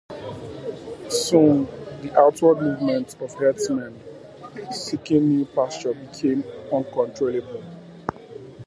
Soon the outward movement of herdsmen seeking new pastures became uncontrollable.